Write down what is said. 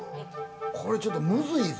これちょっとムズイぞ。